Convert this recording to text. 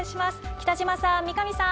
北島さん、三上さん